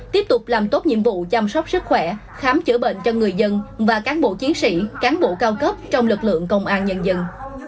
tiếp tục làm tốt nhiệm vụ chăm sóc sức khỏe khám chữa bệnh cho người dân và cán bộ chiến sĩ cán bộ cao cấp trong lực lượng công an nhân dân